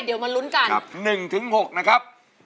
เดี๋ยวมาลุ้นกันครับกับ๑๖นะครับ